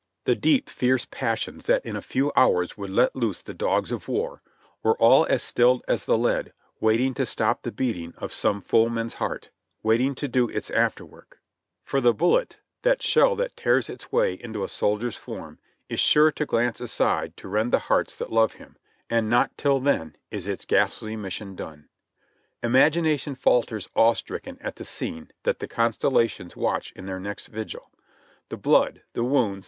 The deep, fierce passions that in a few hours would let loose the dogs of war, were all as stilled as the lead waiting to stop the beating of some foeman's heart, waiting to do its after work ; for the bullet — the shell that tears its w^ay into a soldier's form — is sure to glance aside to rend the hearts that love him, and not till then is its ghastly mission done. Imagination falters awe stricken at the scene that the constellations watch in their next vigil; the blood! the w^ounds!